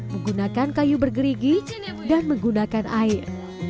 menggunakan kayu bergerigi dan menggunakan air